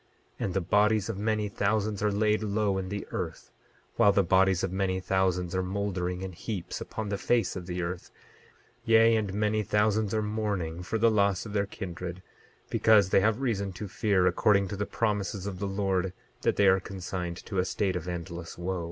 28:11 And the bodies of many thousands are laid low in the earth, while the bodies of many thousands are moldering in heaps upon the face of the earth; yea, and many thousands are mourning for the loss of their kindred, because they have reason to fear, according to the promises of the Lord, that they are consigned to a state of endless wo.